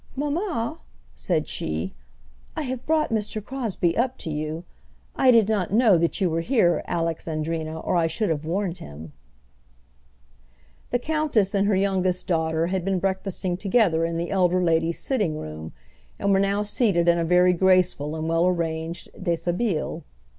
"Mamma," said she; "I have brought Mr. Crosbie up to you. I did not know that you were here, Alexandrina, or I should have warned him." The countess and her youngest daughter had been breakfasting together in the elder lady's sitting room, and were now seated in a very graceful and well arranged deshabille.